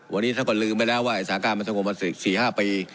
วันนี้ถ้าก็ลืมไปแล้วว่าสาขามันสงบมาสี่สี่ห้าปี